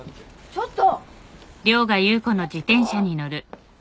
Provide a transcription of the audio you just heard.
ちょっと！